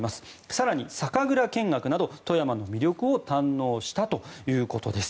更に、酒蔵見学など富山の魅力を堪能したということです。